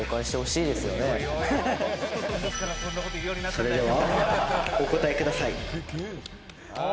それではお答えください。